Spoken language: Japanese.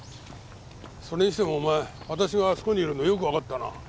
それにしてもお前私があそこにいるのよくわかったな。